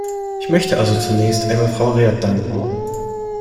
Ich möchte also zunächst einmal Frau Read danken.